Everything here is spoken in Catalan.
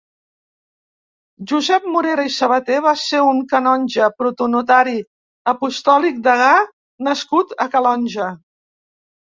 Josep Morera i Sabater va ser un canonge, protonotari apostòlic, degà nascut a Calonge.